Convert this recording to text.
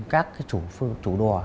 các binh các chủ đò